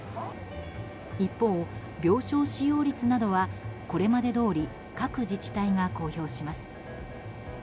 一方、病床使用率などはこれまでどおり各自治体が公表します。